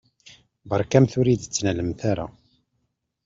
Beṛkamt ur yi-d-ttnalemt ara.